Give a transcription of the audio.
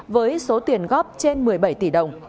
với số tiền góp trên một mươi bảy tỷ đồng